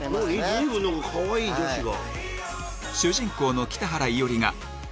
随分かわいい女子が。